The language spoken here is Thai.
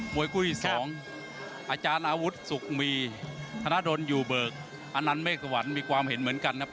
วยคู่ที่สองอาจารย์อาวุธสุขมีธนดลอยู่เบิกอนันต์เมฆสวรรค์มีความเห็นเหมือนกันครับ